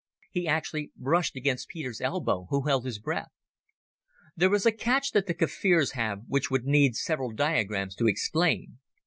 He actually brushed against Peter's elbow, who held his breath. There is a catch that the Kaffirs have which would need several diagrams to explain.